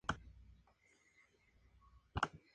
Fundada al inicio del siglo X, bajo el dominio bizantino.